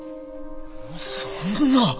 そんな。